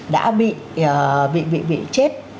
đã bị chết